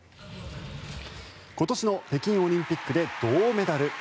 今年の北京オリンピックで銅メダル。